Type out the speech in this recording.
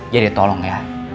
jadi tolong ya